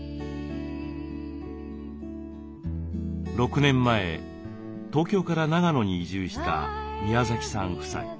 ６年前東京から長野に移住した宮崎さん夫妻。